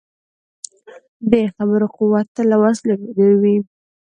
د خبرو قوت تل له وسلې ډېر وي.